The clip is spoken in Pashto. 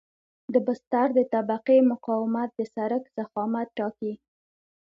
د بستر د طبقې مقاومت د سرک ضخامت ټاکي